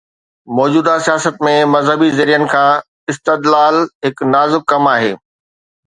موجوده سياست ۾ مذهبي ذريعن کان استدلال هڪ نازڪ ڪم آهي.